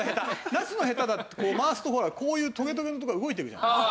ナスのへただって回すとほらこういうトゲトゲの所が動いてるじゃない。